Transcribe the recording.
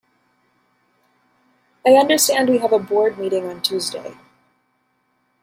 I understand we have a board meeting on Tuesday